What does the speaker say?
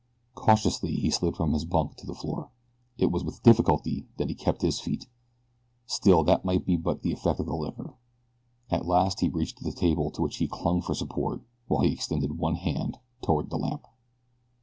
Cautiously he slid from his bunk to the floor. It was with difficulty that he kept his feet. Still that might be but the effects of the liquor. At last he reached the table to which he clung for support while he extended one hand toward the lamp.